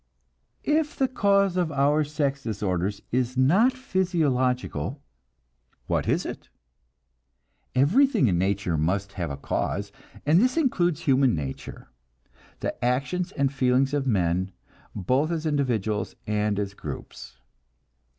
If the cause of our sex disorders is not physiological, what is it? Everything in nature must have a cause, and this includes human nature, the actions and feelings of men, both as individuals and as groups.